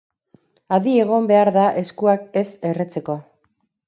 Adi egon behar da eskuak ez erretzeko.